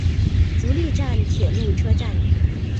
足利站铁路车站。